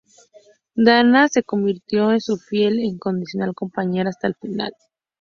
Dana Reeve se convirtió en su fiel e incondicional compañera hasta el final.